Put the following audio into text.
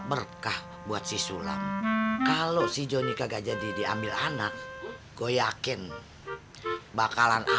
berkah buat siswa kalau si joni kagak jadi diambil anak goyakin bakalan